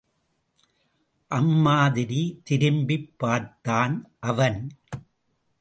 அம்மாதிரி திரும்பிப் பார்த்தான் அவன்.